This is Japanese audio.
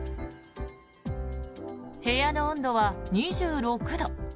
部屋の温度は２６度。